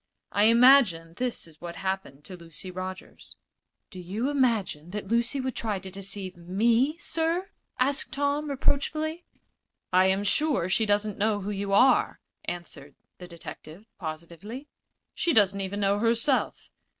I imagine this is what happened to Lucy Rogers." "Do you imagine that Lucy would try to deceive me, sir?" asked Tom, reproachfully. "I am sure she doesn't know who you are," answered the detective, positively. "She doesn't even know herself.